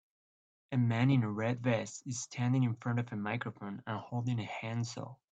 A man in a red vest is standing in front of a microphone and holding a handsaw.